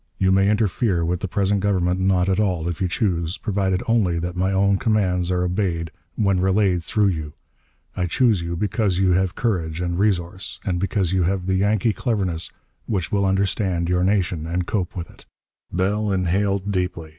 You may interfere with the present government not at all, if you choose, provided only that my own commands are obeyed when relayed through you. I choose you because you have courage, and resource, and because you have the Yanqui cleverness which will understand your nation and cope with it." Bell inhaled deeply.